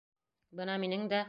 Бына минең дә...